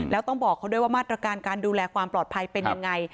แล้วต้องบอกเขาด้วยว่ามาตรการการดูแลความปลอดภัยเป็นยังไง